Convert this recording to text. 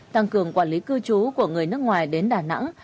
tăng cường quản lý cư trú của người nước ngoài đến đà nẵng